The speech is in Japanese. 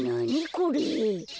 これ。